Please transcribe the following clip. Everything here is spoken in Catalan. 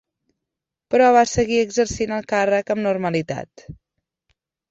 Però va seguir exercint el càrrec amb normalitat.